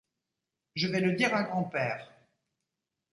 Je vais le dire à grand-père.